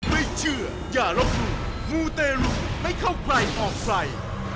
ไม่เชื่ออย่ารบหมู่หมู่เตรุให้เข้าใกล้ออกไฟ